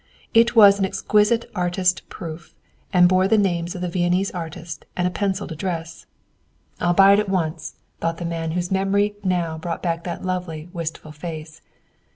It was an exquisite artist proof and bore the name of the Viennese artist and a pencilled address. "I'll buy it at once," thought the man whose memory now brought back that lovely, wistful face.